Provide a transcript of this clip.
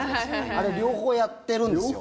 あれ両方やってるんですよ。